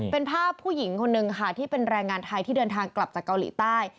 เป็นภาพผู้หญิงคนนึงค่ะที่เป็นแรงงานไทยที่เดินทางกลับจากเกาหลีใต้